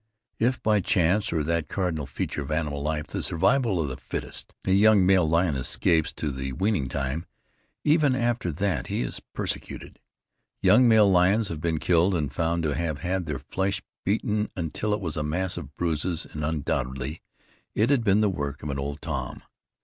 If by chance or that cardinal feature of animal life the survival of the fittest a young male lion escapes to the weaning time, even after that he is persecuted. Young male lions have been killed and found to have had their flesh beaten until it was a mass of bruises and undoubtedly it had been the work of an old Tom.